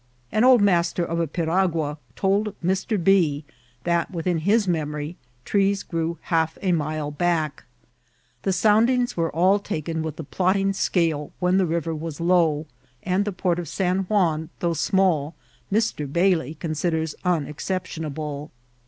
An old master of a piragua told Mr. B. ttiat within his memory trees grew half a mile back. The soundings were all taken with the plotting soale when the river was low, and the port of San Juan, though small, Mr. Bailey considers unexceptionable.